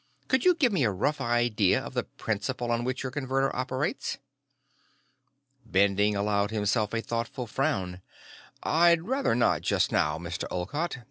Could you give me a rough idea of the principle on which your Converter operates?" Bending allowed himself a thoughtful frown. "I'd rather not, just now, Mr. Olcott.